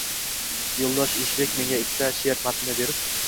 Yo’ldosh Eshbek menga ikkita she’r matnini berib